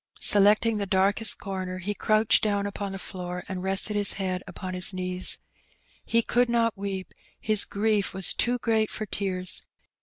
Se lecting the darkest comer, he crouched down upon the floor and rested his head upon his knees. He could not weep, his grief was too great for tears.